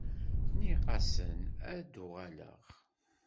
Nniɣ-asen ad d-uɣaleɣ